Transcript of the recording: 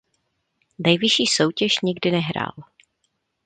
Nejvyšší soutěž nikdy nehrál.